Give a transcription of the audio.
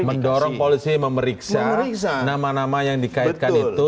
mendorong polisi memeriksa nama nama yang dikaitkan itu